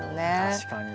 確かに。